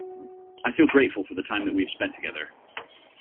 I feel grateful for the time that we have spend together.